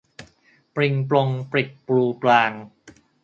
ปริงปรงปริกปรูปราง